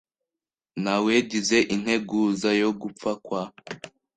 Nawegize integuza yo gupfa kwa .